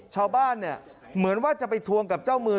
ชาวบ้านเนี่ยเหมือนว่าจะไปทวงกับเจ้ามือ